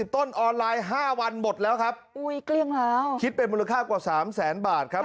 ๑๕๐ต้นออนไลน์๕วันหมดแล้วครับคิดเป็นมูลค่ากว่า๓แสนบาทครับ